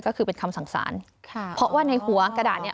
ก็คือเป็นคำสั่งสารค่ะเพราะว่าในหัวกระดาษเนี่ย